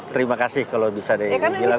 terima kasih kalau bisa dibilang